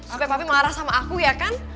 supaya papi marah sama aku iya kan